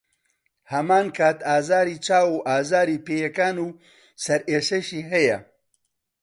هەمانکات ئازاری چاو و ئازاری پێیەکان و سەرئێشەی هەیە.